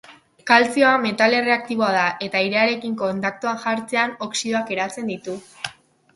Kaltzioa metal erreaktiboa da eta airearekin kontaktuan jartzean oxidoak eratzen ditu.